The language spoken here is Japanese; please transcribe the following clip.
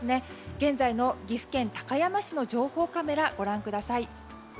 現在の岐阜県高山市の情報カメラをご覧ください。